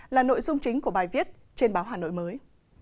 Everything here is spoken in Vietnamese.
là nội dung chính của bài viết trên báo hà nội mới